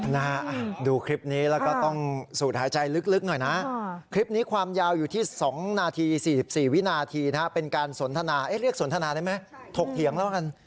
ไหนเขาไม่รู้ถ้าเขารู้เขาก็ให้หมอตอนนี้รักษาตัวเองแล้วสิ